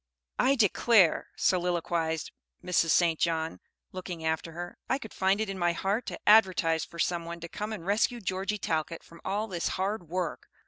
"I declare," soliloquized Mrs. St. John, looking after her, "I could find it in my heart to advertise for some one to come and rescue Georgie Talcott from all this hard work!